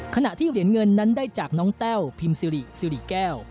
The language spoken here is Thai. ขณะที่เหรียญเงินนั้นได้จากน้องแต้วพิมซิริสิริแก้ว